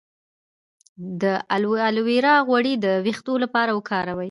د الوویرا غوړي د ویښتو لپاره وکاروئ